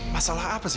masalah apa ma